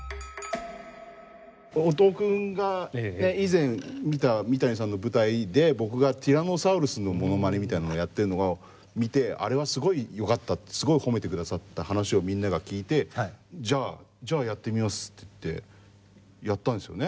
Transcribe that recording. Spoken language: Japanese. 音尾君が以前見た三谷さんの舞台で僕がティラノサウルスのモノマネみたいなのをやってるのを見てあれはすごいよかったってすごい褒めてくださった話をみんなが聞いてじゃあやってみますって言ってやったんですよね。